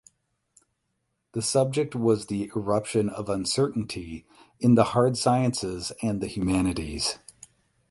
The subject was the eruption of uncertainty in the hard sciences and the humanities.